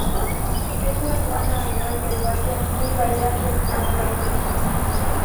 Es una planta anual herbácea muy variable en apariencia.